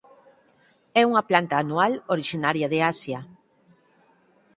É unha planta anual orixinaria de Asia.